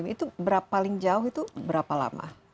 itu paling jauh itu berapa lama